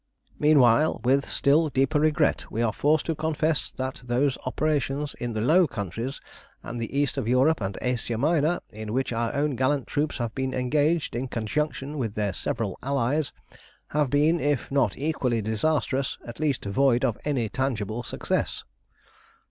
"Meanwhile, with still deeper regret, we are forced to confess that those operations in the Low Countries and the east of Europe and Asia Minor in which our own gallant troops have been engaged in conjunction with their several allies, have been, if not equally disastrous, at least void of any tangible success.